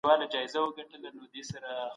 چا د خلګو ترمنځ خپلمنځي باورونه سخت زیانمن کړل؟